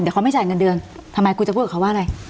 เดี๋ยวเขาไม่จ่ายเงินเดือนทำไมกูจะพูดกับเขาว่าอะไร